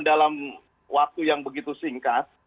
dalam waktu yang begitu singkat